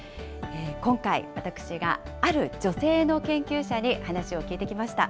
今回、私がある女性の研究者に話を聞いてきました。